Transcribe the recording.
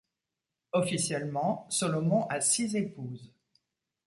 Officiellement, Solomon a six épouses.